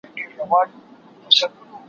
د قاتل لوري ته دوې سترگي نیولي